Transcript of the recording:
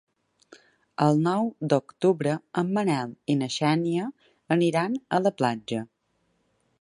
El nou d'octubre en Manel i na Xènia aniran a la platja.